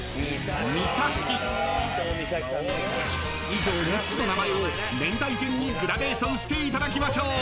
［以上６つの名前を年代順にグラデーションしていただきましょう］